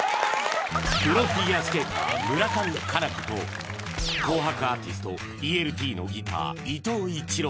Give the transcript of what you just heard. プロフィギュアスケーター村上佳菜子と紅白アーティストＥＬＴのギター伊藤一朗